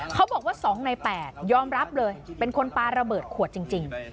บอกว่า๒ใน๘ยอมรับเลยเป็นคนปลาระเบิดขวดจริง